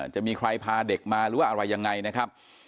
จะมีใครพาเด็กมาหรือว่าอะไรยังไงนะครับ